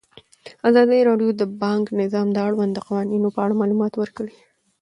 ازادي راډیو د بانکي نظام د اړونده قوانینو په اړه معلومات ورکړي.